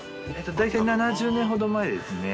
大体７０年ほど前ですね。